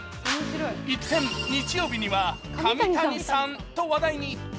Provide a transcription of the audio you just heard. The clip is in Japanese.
一転、日曜日には神谷さんと話題に。